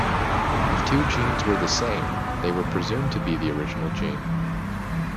If two genes were the same, they were presumed to be the original gene.